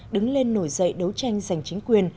đứng lên nổi dậy đấu tranh giành chính quyền